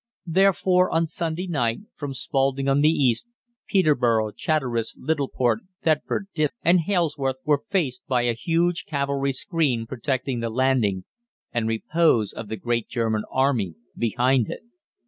Therefore on Sunday night, from Spalding on the east, Peterborough, Chatteris, Littleport, Thetford, Diss, and Halesworth, were faced by a huge cavalry screen protecting the landing and repose of the great German Army behind it.